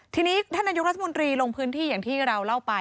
ทีนี้ท่านนายกรัฐมนตรีลงพื้นที่อย่างที่เราเล่าไป